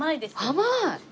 甘い！